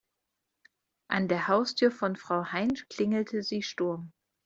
An der Haustür von Frau Hein klingelte sie Sturm.